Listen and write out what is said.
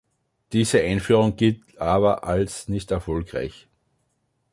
Diese Einführung gilt aber als nicht erfolgreich.